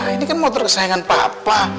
ini kan motor kesayangan papa